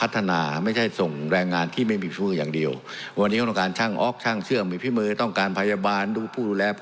สวัสดีสวัสดีสวัสดีสวัสดีสวัสดีสวัสดีสวัสดีสวัสดีสวัสดี